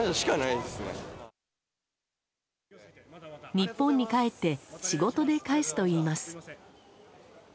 日本に帰って仕事で返すといいます。